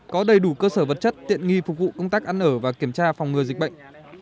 có đầy đủ cơ sở vật chất tiện nghi phục vụ công tác ăn ở và kiểm tra phòng ngừa dịch bệnh